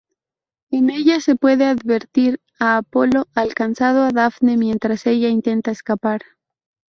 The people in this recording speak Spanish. En ella se puede advertir a Apolo alcanzando a Dafne mientras ella intenta escapar.